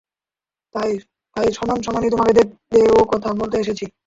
তাই সামনাসামনি তোমাকে দেখতে ও কথা বলতে এসেছি।